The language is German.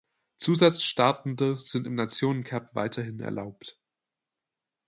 Zusatzstartende sind im Nationencup weiterhin erlaubt.